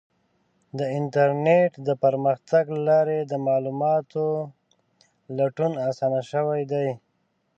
د انټرنیټ د پرمختګ له لارې د معلوماتو لټون اسانه شوی دی.